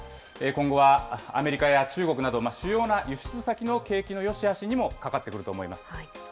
今後はアメリカや中国など、主要な輸出先の景気のよしあしにもかかってくると思います。